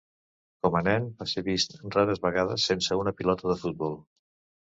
Com a nen va ser vist rares vegades sense una pilota de futbol.